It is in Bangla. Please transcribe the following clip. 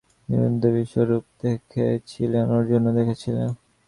দুর্যোধনও বিশ্বরূপ দেখেছিল, অর্জুনও দেখেছিল।